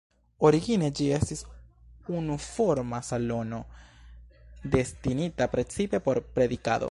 Origine ĝi estis unuforma salono, destinita precipe por predikado.